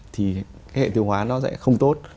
thì hệ tiêu hóa nó sẽ không tốt